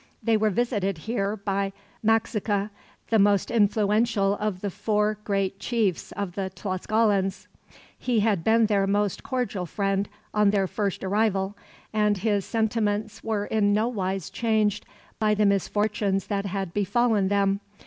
They were visited here by Maxixca, the most influential of the four great chiefs of the Tlascalans. He had been their most cordial friend, on their first arrival; and his sentiments were in no wise changed by the misfortunes that had befallen them.